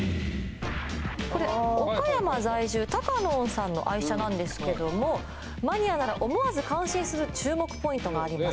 これ岡山在住タカノンさんの愛車なんですけどもマニアなら思わず感心する注目ポイントがあります